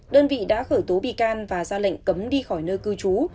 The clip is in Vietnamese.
đơn vị đã khởi tố bị can và ra lệnh cấm đi khỏi nơi cư trú